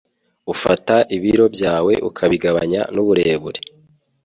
Ufata ibiro byawe ukabigabanya n'uburebure